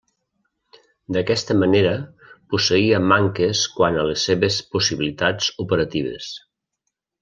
D'aquesta manera posseïa manques quant a les seves possibilitats operatives.